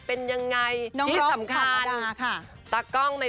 เป็นยังไงน้องสำคัญค่ะต้องคล้องไว้